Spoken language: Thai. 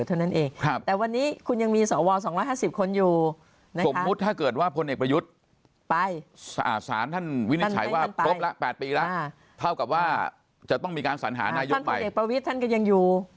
ท่านภาคเด็กประวิทย์ก็ยังอยู่